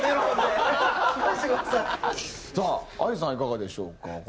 さあＡＩさんいかがでしょうか？